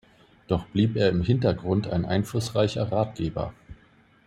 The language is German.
Doch blieb er im Hintergrund ein einflussreicher Ratgeber.